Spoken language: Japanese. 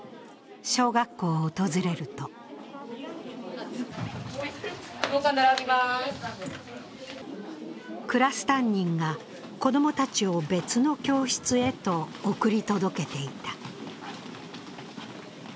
小学校を訪れるとクラス担任が子供たちを別の教室へと送り届けていた。